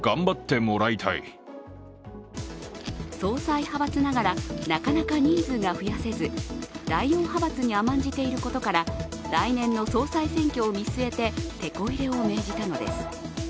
総裁派閥ながら、なかなか人数が増やせず、第４派閥に甘んじていることから来年の総裁選挙を見据えててこ入れを命じたのです。